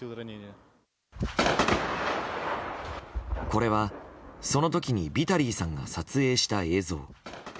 これは、その時にビタリーさんが撮影した映像。